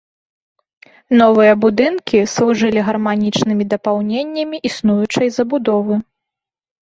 Новыя будынкі служылі гарманічнымі дапаўненнямі існуючай забудовы.